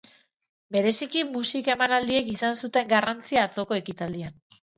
Bereziki, musika emanaldiek izan zuten garrantzia atzoko ekitaldian.